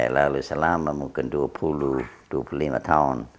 lalu selama mungkin dua puluh dua puluh lima tahun